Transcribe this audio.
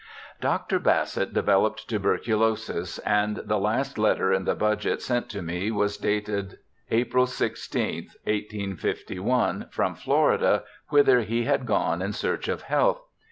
Dr. Bassett developed tuberculosis, and the last letter in the budget sent to me was dated April i6th, 1851, from Florida, whither he had gone in search of health.